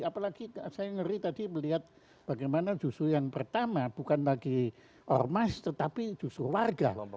apalagi saya ngeri tadi melihat bagaimana justru yang pertama bukan lagi ormas tetapi justru warga